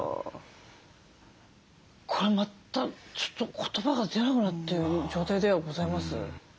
これまたちょっと言葉が出なくなってる状態ではございます。